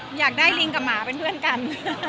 อยากได้ลิงกับหมาเป็นเพื่อนกัน